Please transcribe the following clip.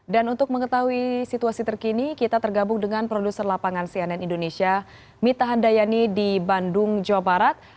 dan untuk mengetahui situasi terkini kita tergabung dengan produser lapangan cnn indonesia mita handayani di bandung jawa barat